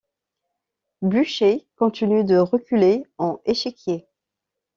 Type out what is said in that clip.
Blücher continue de reculer, en échiquier.